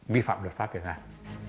vi phạm luật pháp việt nam